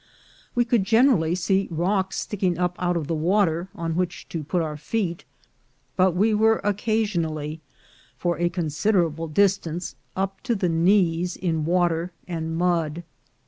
We could generally see rocks sticking up out of the water, on which to put our feet, but we were occasionally, for a considerable distance, up to the knees in water and mud.